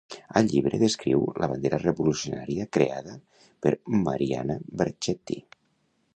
Al llibre, descriu la bandera revolucionària creada per Mariana Bracetti.